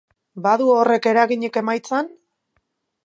Badu horrek eraginik emaitzan?